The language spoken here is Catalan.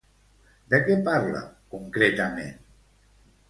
De què parla, concretament?